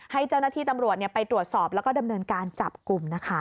ให้เจ้าหน้าที่ตำรวจไปตรวจสอบแล้วก็ดำเนินการจับกลุ่มนะคะ